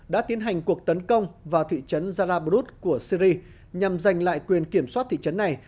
đã tiến hành cuộc tấn công vào thị trấn zaraburg của syri nhằm giành lại quyền kiểm soát thị trấn này